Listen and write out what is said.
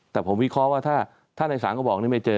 แต่ผมวิเคราะห์ว่าถ้าในศาลก็บอกนี่ไม่เจอ